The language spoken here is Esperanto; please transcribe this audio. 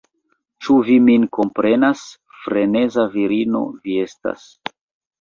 Ĉu vi min komprenas? Freneza virino vi estas